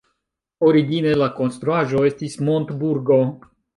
Origine la konstruaĵo estis montburgo.